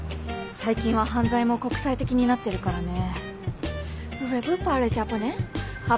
最近は犯罪も国際的になってるからね。